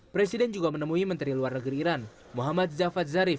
presiden juga menemui menteri luar negeri iran muhammad zafat zarif